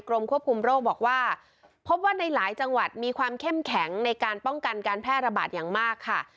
กรมควบคุมโรคบอกว่าพบว่าในหลายจังหวัดมีความเข้มแข็งในการป้องกันการแพร่ระบาดอย่างมากค่ะ